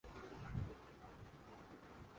صرف ایک رپورٹ اچھی تھی اور وہ تھی۔